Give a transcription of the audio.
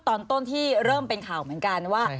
ตอนต้นที่เริ่มเป็นข่าวเหมือนกันว่า